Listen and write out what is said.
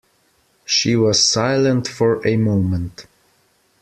She was silent for a moment.